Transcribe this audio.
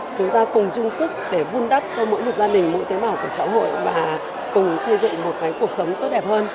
chúng ta cùng chung sức để vun đắp cho mỗi một gia đình mỗi tế bảo của xã hội và cùng xây dựng một cuộc sống tốt đẹp hơn